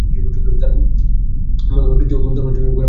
তাঁহার মতবাদ খ্রীষ্টীয় ধর্মযাজকদের গোঁড়া বিশ্বাসের পক্ষে মারাত্মক।